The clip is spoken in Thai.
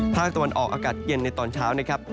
ภาคตะวันออกอากาศเย็นในตอนเช้านะครับ